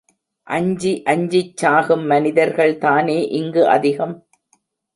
அஞ்சி அஞ்சிச் சாகும் மனிதர்கள் தானே இங்கு அதிகம்.